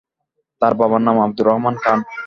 তাঁর বাবার নাম আবদুর রহমান খান।